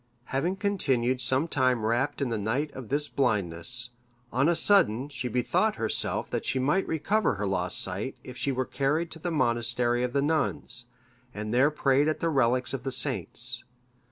Having continued some time wrapped in the night of this blindness, on a sudden she bethought herself that she might recover her lost sight, if she were carried to the monastery of the nuns, and there prayed at the relics of the saints.